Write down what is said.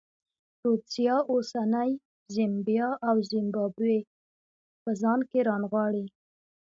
رودزیا اوسنۍ زیمبیا او زیمبابوې په ځان کې رانغاړي.